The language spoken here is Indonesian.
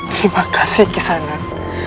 terima kasih kisanan